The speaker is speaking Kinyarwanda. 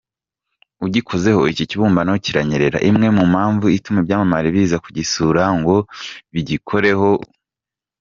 Ugikozeho, iki kibumbano kiranyerera, imwe mu mpamvu ituma ibyamamare biza kugisura ngo bigikoreho.